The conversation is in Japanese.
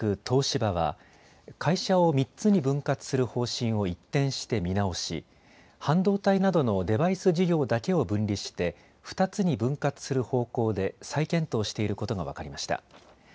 東芝は会社を３つに分割する方針を一転して見直し、半導体などのデバイス事業だけを分離して、２つに分割する方向で再検討していることが分かりました。